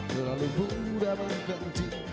kulahku udah berhenti